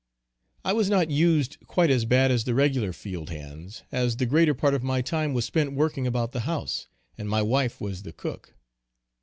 I was not used quite as bad as the regular field hands, as the greater part of my time was spent working about the house; and my wife was the cook.